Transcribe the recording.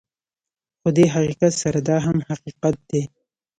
خو دې حقیقت سره دا هم حقیقت دی